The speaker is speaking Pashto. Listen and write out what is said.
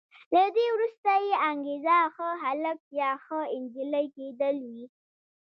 له دې وروسته یې انګېزه ښه هلک یا ښه انجلۍ کېدل وي.